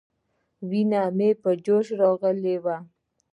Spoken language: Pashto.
وينه مې په جوش راغلې وه.